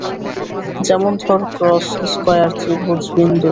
যেমন ধর cross, square, ত্রিভুজ, বিন্দু।